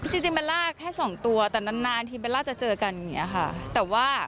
จริงแม็ลล่าแค่๒ตัวแต่นานทีแม็ลล่าจะเจอกันแต่ว่า